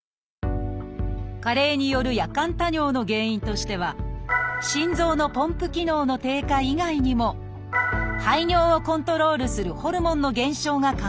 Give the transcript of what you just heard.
加齢による夜間多尿の原因としては心臓のポンプ機能の低下以外にも排尿をコントロールするホルモンの減少が考えられます。